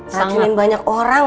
nganjilin banyak orang bu